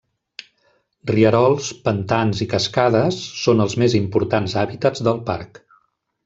Rierols, pantans i cascades són els més importants hàbitats del parc.